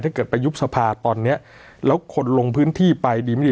ถ้าเกิดไปยุบสภาตอนเนี้ยแล้วคนลงพื้นที่ไปดีไม่ดี